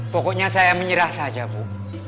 pokoknya saya menyerah saja bu